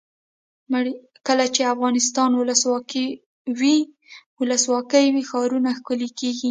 کله چې افغانستان کې ولسواکي وي ښارونه ښکلي کیږي.